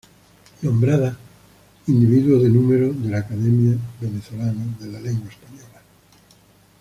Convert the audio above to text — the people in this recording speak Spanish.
Nombrada Individuo de número de la Academia Venezolana de la Lengua Española